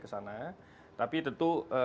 ke sana tapi tentu